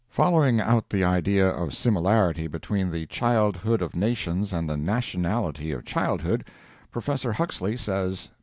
] Following out the idea of similarity between the childhood of nations and the nationality of childhood, Professor Huxley says, p.